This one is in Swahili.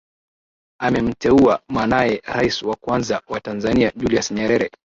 Amemteua mwanae rais wa kwanza wa Tanzania Julius Nyerere